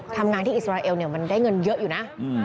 ทำงานที่อิสราเอลเนี่ยมันได้เงินเยอะอยู่นะ